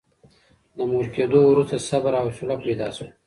د مور کېدو وروسته صبر او حوصله پیدا شوه.